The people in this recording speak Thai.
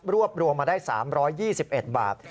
รวบรวมมาได้๓๒๑บาท